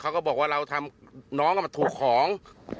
เขาก็บอกว่าเราทำน้องมันถูกของ